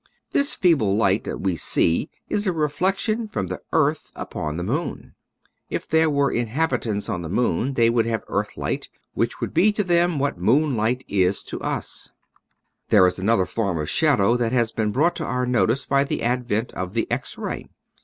This feeble light that we see is a reflection from the earth upon the moon. If there were inhabitants on the moon they would have earthlight, which would be to them what moonlight is to us. , i . Original from UNIVERSITY OF WISCONSIN Sba&ow*. 217 There is another form of shadow that has been brought to our notice by the advent of the X ray.